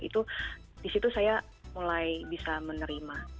itu disitu saya mulai bisa menerima